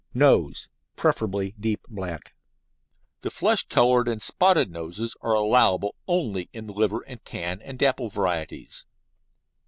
NOSE Preferably deep black. The flesh coloured and spotted noses are allowable only in the liver and tan and dapple varieties.